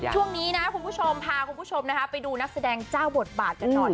ช่วงนี้นะคุณผู้ชมพาคุณผู้ชมนะคะไปดูนักแสดงเจ้าบทบาทกันหน่อย